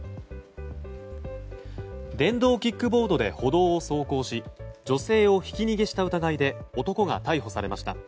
電動キックボードで歩道を走行し女性をひき逃げした疑いで男が逮捕されました。